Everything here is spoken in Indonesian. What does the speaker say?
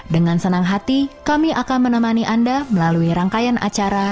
dengan senang hati kami akan menemani anda melalui rangkaian acara